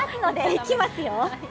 いきますよ。